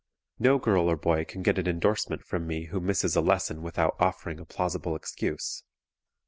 No girl or boy can get an endorsement from me who misses a lesson without offering a plausible excuse.